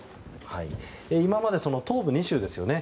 今まで、東部２州ですよね。